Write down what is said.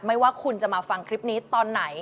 ไม่ว่าคุณจะมาฟังคลิปนี้ตอนไหน